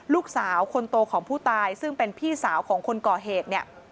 ลูกสาวคนโตของผู้ตายซึ่งเป็นพี่สาวของคนก่อเหตุเนี่ย